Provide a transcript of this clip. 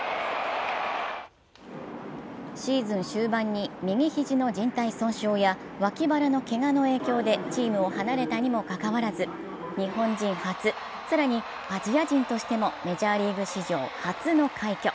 シーズン終盤に右肘のじん帯損傷や脇腹のけがの影響でチームを離れたにもかかわらず、日本人初、更にアジア人としてもメジャーリーグ史上初の快挙。